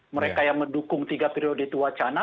mereka yang mendukung tiga periode itu wacana